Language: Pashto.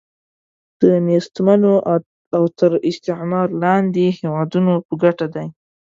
د نېستمنو او تر استعمار لاندې هیوادونو په ګټه دی.